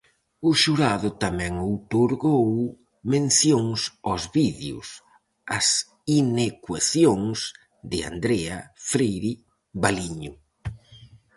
O xurado tamén outorgou mencións aos vídeos As inecuacións de Andrea Freire Valiño.